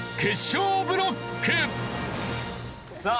さあ